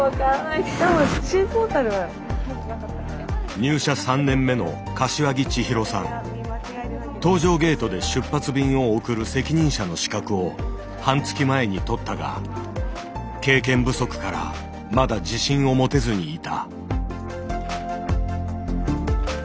入社３年目の搭乗ゲートで出発便を送る責任者の資格を半月前に取ったが経験不足からまだ自信を持てずにいた。